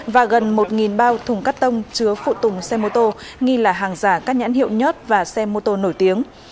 và gần một bao thùng cắt tông chứa phụ tùng xe mô tô nghi là hàng giả các nhãn hiệu nhớt và xe mô tô nổi tiếng